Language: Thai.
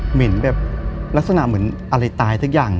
เหมือนแบบลักษณะเหมือนอะไรตายสักอย่าง